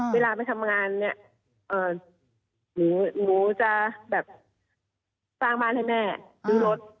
เวลาไปทำงานเนี่ยหนูจะแบบสร้างบ้านให้แม่ซื้อรถ